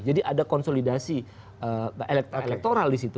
jadi ada konsolidasi elektoral disitu